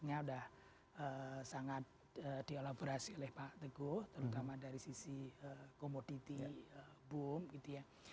yang disampaikan oleh pak teguh tadi yang sudah sangat di elaborasi oleh pak teguh terutama dari sisi komoditi boom gitu ya